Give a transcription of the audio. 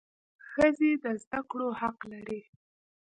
ښځي د زده کړو حق لري.